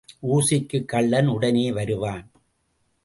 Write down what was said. ஊசிக்குக் கள்ளன் உடனே வருவான்.